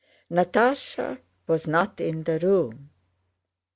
Natásha was not in the room.